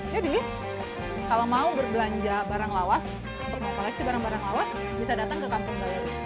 jadi kalau mau berbelanja barang lawas mau koleksi barang barang lawas bisa datang ke kampung galeri